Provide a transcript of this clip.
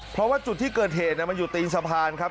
เพราะว่าจุดที่เกิดเหตุมันอยู่ตีนสะพานครับ